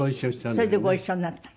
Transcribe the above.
それでご一緒になった。